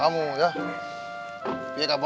ibu sudah malam